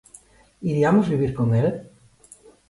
Iriamos vivir con el?